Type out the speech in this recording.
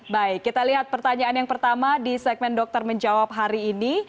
baik kita lihat pertanyaan yang pertama di segmen dokter menjawab hari ini